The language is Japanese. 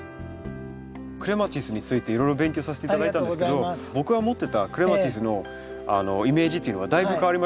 クレマチスについていろいろ勉強させて頂いたんですけど僕が思ってたクレマチスのイメージっていうのはだいぶ変わりました。